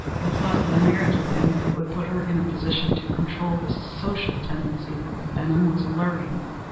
The thought that a marriage with him would put her in a position to control the social tendencies of Benham was alluring.